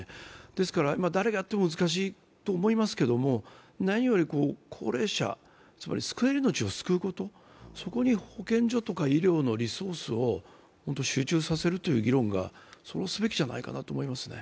ですから、誰がやっても難しいと思いますけれども、何より高齢者、つまり救える命を救うこと、そこに保健所とか医療のリソースを集中させるという議論をすべきじゃないかと思いますね。